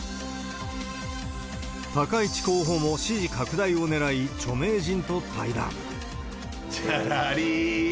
高市候補も支持拡大をねらい、著名人と対談。